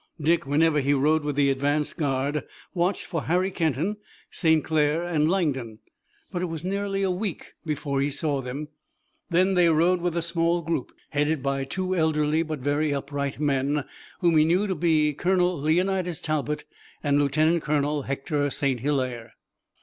Dick, whenever he rode with the advanced guard, watched for Harry Kenton, St. Clair and Langdon, but it was nearly a week before he saw them. Then they rode with a small group, headed by two elderly but very upright men, whom he knew to be Colonel Leonidas Talbot and Lieutenant Colonel Hector St. Hilaire.